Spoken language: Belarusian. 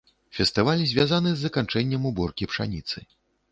Фестываль звязаны з заканчэннем уборкі пшаніцы.